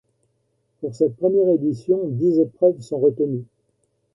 Pour cette première édition, dix épreuves sont retenues.